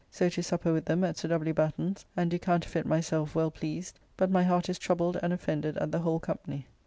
So to supper with them at Sir W. Batten's, and do counterfeit myself well pleased, but my heart is troubled and offended at the whole company.